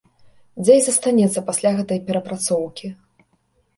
Дзе і застанецца пасля гэтай перапрацоўкі.